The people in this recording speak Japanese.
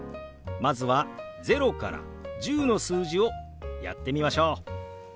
まずは０から１０の数字をやってみましょう。